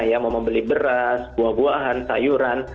yang mau membeli beras buah buahan sayuran